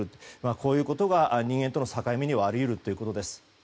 こういうことが人間との境目にはあり得るということです。